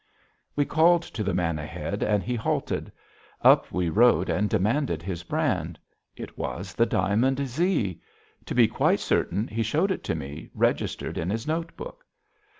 We called to the man ahead, and he halted. Up we rode and demanded his brand. It was the Diamond Z. To be quite certain, he showed it to me registered in his notebook.